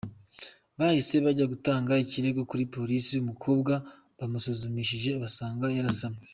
Bahise bajya gutanga ikirego kuri polisi, umukobwa bamusuzumishije basanga yarasamye.